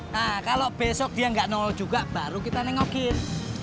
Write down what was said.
nah kalau besok dia nggak nol juga baru kita nengokin